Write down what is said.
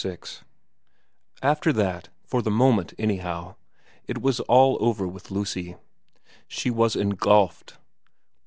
VI AFTER that, for the moment anyhow, it was all over with Lucy. She was engulfed.